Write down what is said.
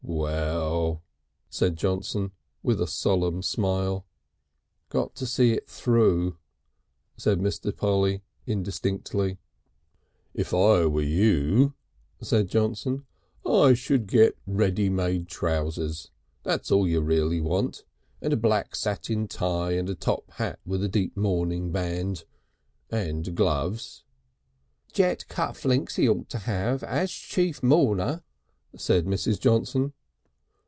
"Well!" said Johnson with a solemn smile. "Got to see it through," said Mr. Polly indistinctly. "If I were you," said Johnson, "I should get ready made trousers. That's all you really want. And a black satin tie and a top hat with a deep mourning band. And gloves." "Jet cuff links he ought to have as chief mourner," said Mrs. Johnson.